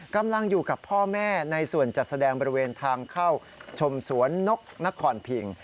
กำลังอยู่กับพ่อแม่ในส่วนจัดแสดงบริเวณทางเข้าชมสวนนกนครพิง